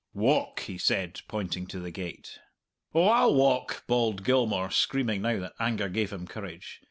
"Walk," he said, pointing to the gate. "Oh, I'll walk," bawled Gilmour, screaming now that anger gave him courage.